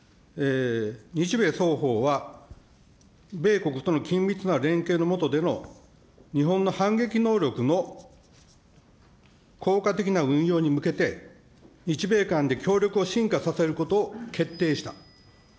日米双方は米国との緊密な連携の下での日本の反撃能力の効果的な運用に向けて、日米韓で協力をしんかさせることを決定した。